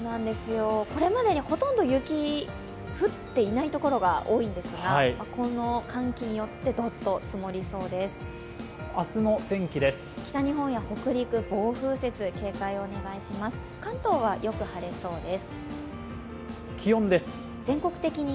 これまでほとんど雪、降っていないところが多いんですが、この寒気によってどっと積もりそうです。